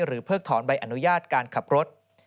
หรือเพิ่งถอนใบอนุญาตการขับรถ